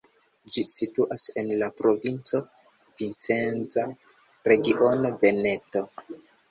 Ĝi situas en la provinco Vicenza, regiono Veneto.